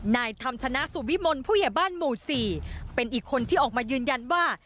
นายธรรมชนะสุวิมลผู้ใหญ่บ้านหมู่๔เป็นอีกคนที่ออกมายืนยันว่า